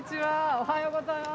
おはようございます。